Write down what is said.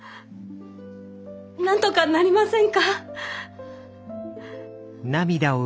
なんとかなりませんか？